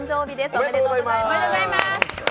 おめでとうございます。